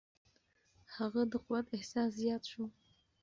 هغه د قوت احساس زیات شو.